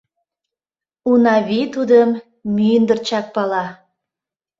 Унавий тудым мӱндырчак пала.